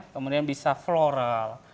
kemudian bisa floral